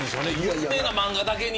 有名な漫画だけに。